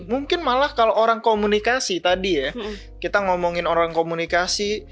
mungkin malah kalau orang komunikasi tadi ya kita ngomongin orang komunikasi